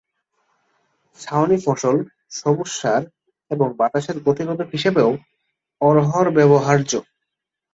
ছাউনি ফসল, সবুজ সার এবং বাতাসের গতি রোধক হিসেবেও অড়হর ব্যবহার্য।